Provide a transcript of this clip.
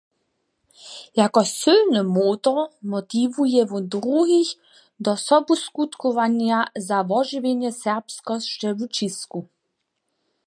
Jako sylny motor motiwuje wón druhich do sobuskutkowanja za wožiwjenje serbskosće w Ćisku.